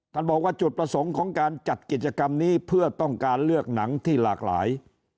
ท่านบอกว่าจุดประสงค์ของการจัดกิจกรรมนี้เพื่อต้องการเลือกหนังที่หลากหลาย